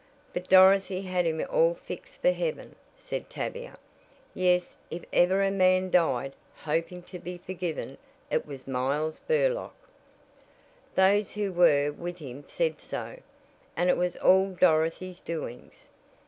"But Dorothy had him all fixed for heaven," said Tavia. "Yes, if ever a man died, hoping to be forgiven, it was Miles Burlock. Those who were with him said so, and it was all Dorothy's doings.